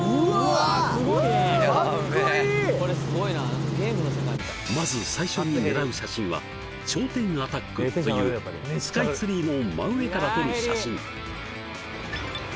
田Ｄ果たしてまず最初に狙う写真は頂点アタックというスカイツリーの真上から撮る写真うわ果たして